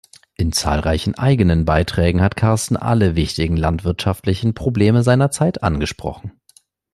In zahlreichen eigenen Beiträgen hat Karsten alle wichtigen landwirtschaftlichen Probleme seiner Zeit angesprochen.